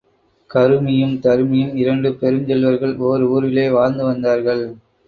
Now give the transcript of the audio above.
கருமியும் தருமியும் இரண்டு பெருஞ்செல்வர்கள் ஒர் ஊரிலே வாழ்ந்து வந்தார்கள்.